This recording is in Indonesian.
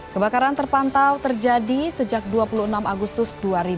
kebakaran terpantau terjadi sejak dua puluh enam agustus dua ribu dua puluh